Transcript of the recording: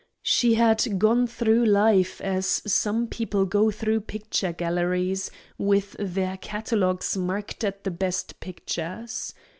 She had gone through life as some people go through picture galleries, with their catalogues marked at the best pictures.